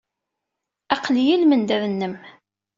Aql-iyi i lmendad-nnem.